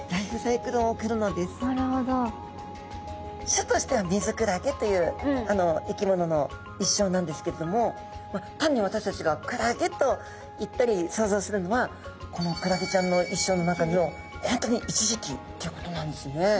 種としてはミズクラゲという生き物の一生なんですけれども単に私たちがクラゲといったり想像するのはこのクラゲちゃんの一生の中の本当に一時期ということなんですね。